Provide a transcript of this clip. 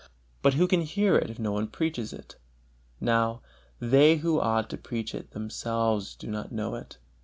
But who can hear it if no one preaches it? Now, they who ought to preach it, themselves do not know it.